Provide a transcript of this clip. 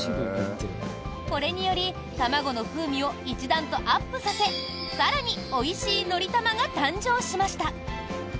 これにより卵の風味を一段とアップさせ更においしい「のりたま」が誕生しました！